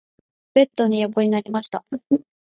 ベッドに横になりました。